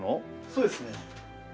そうですね。